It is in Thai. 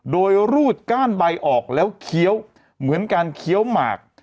โดยรูดก้านใบออกแล้วเคี้ยวเหมือนการเคี้ยวหมาก